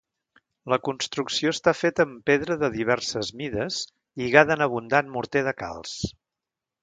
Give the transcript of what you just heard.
La construcció està feta en pedra de diverses mides lligada en abundant morter de calç.